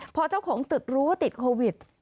พอเจ้าของตึกรู้ว่าติดโควิด